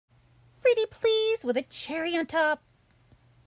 Pretty please with a cherry on top!